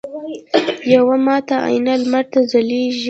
یوه ماته آینه لمر ته ځلیږي